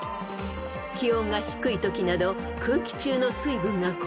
［気温が低いときなど］